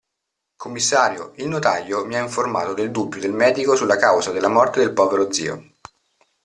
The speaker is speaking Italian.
Commissario, il notaio mi ha informato del dubbio del medico sulla causa della morte del povero zio.